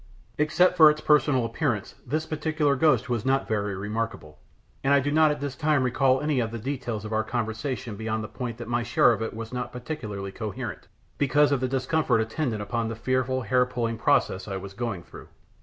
Except for its personal appearance, this particular ghost was not very remarkable, and I do not at this time recall any of the details of our conversation beyond the point that my share of it was not particularly coherent, because of the discomfort attendant upon the fearful hair pulling process I was going through.